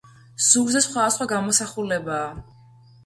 ზურგზე სხვადასხვა გამოსახულებაა.